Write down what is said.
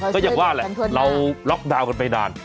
ก็อย่างว่าแหละเราล็อกดาวน์กันไปนาน